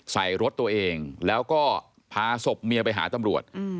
ใส่รถตัวเองแล้วก็พาศพเมียไปหาตำรวจ